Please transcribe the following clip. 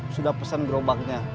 sudah pesan berobaknya